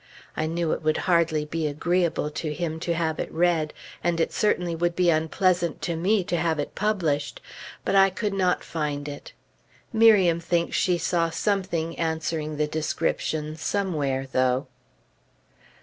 I knew it would hardly be agreeable to him to have it read, and it certainly would be unpleasant to me to have it published; but I could not find it. Miriam thinks she saw something answering the description, somewhere, though.